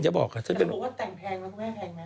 น้องชัดบอกว่าแต่งแพงแล้วไม่ได้แพงนะ